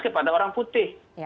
kepada orang putih